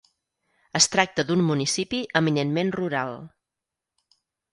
Es tracta d'un municipi eminentment rural.